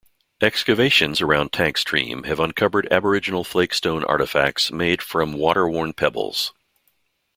Excavations around Tank Stream have uncovered aboriginal flake stone artifacts made from water-worn pebbles.